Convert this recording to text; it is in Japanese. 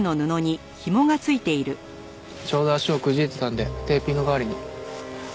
ちょうど足をくじいていたんでテーピング代わりに。